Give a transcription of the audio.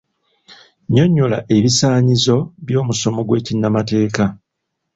Nnyonnyola ebisaanyizo by'omusomo gw'ekinnamateeka